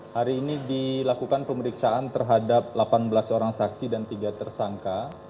hari ini dilakukan pemeriksaan terhadap delapan belas orang saksi dan tiga tersangka